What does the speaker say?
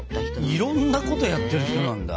いろんなことやってる人なんだ。